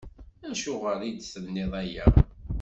Acuɣer i d-tenniḍ aya?